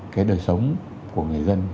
cái đời sống của người dân